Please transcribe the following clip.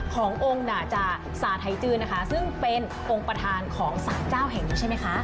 ขององค์ดาจาศาสตร์ไทยจืนนะคะซึ่งเป็นองค์ประธานของสารเจ้าแห่งนี้ใช่ไหมคะ